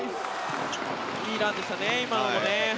いいランでしたね、今のもね。